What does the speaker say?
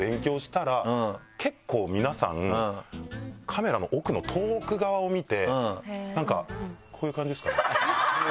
結構皆さんカメラの奥の遠く側を見てなんかこういう感じですかね？